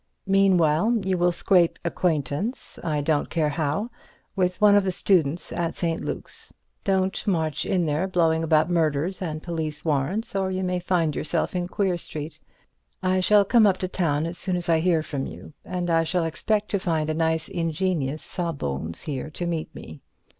"Meanwhile you will scrape acquaintance—I don't care how—with one of the students at St. Luke's. Don't march in there blowing about murders and police warrants, or you may find yourself in Queer Street. I shall come up to town as soon as I hear from you, and I shall expect to find a nice ingenuous Sawbones here to meet me."